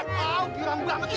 tau kirang bulan mati